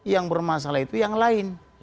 yang bermasalah itu yang lain